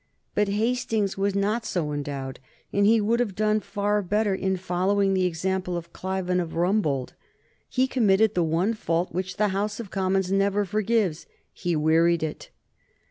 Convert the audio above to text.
But Hastings was not so endowed, and he would have done far better in following the example of Clive and of Rumbold. He committed the one fault which the House of Commons never forgives, he wearied it.